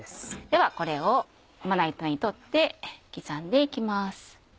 ではこれをまな板にとって刻んで行きます。